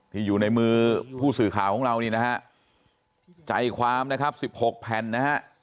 อยู่ในมือผู้สื่อข่าวของเรานี่นะฮะใจความนะครับ๑๖แผ่นนะฮะ